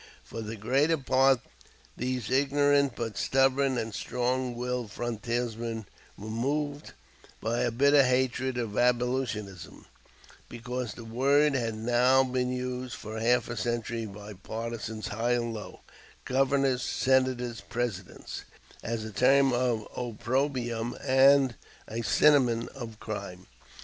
For the greater part these ignorant but stubborn and strong willed frontiersmen were moved by a bitter hatred of "abolitionism," because the word had now been used for half a century by partisans high and low Governors, Senators, Presidents as a term of opprobrium and a synonym of crime.